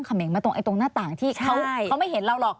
เขาไม่เห็นเราหรอก